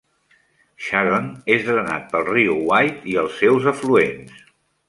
Sharon és drenat pel riu White i els seus afluents.